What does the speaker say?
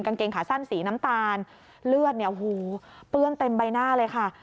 กางเกงขาสั้นสีน้ำตาลเลือดเนี่ยโอ้โหเปื้อนเต็มใบหน้าเลยค่ะ